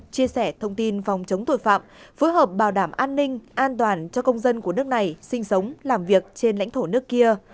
chia sẻ thông tin phòng chống tội phạm phối hợp bảo đảm an ninh an toàn cho công dân của nước này sinh sống làm việc trên lãnh thổ nước kia